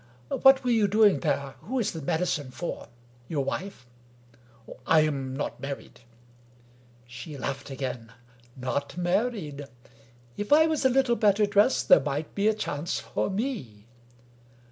What were you doing there? Who is that medicine for? Your wife?" " I am not married !" She laughed again. " Not married ! If I was a little bet ter dressed there might be a chance for me.